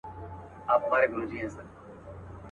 هم غریب دی هم رنځور دی هم ډنګر دی.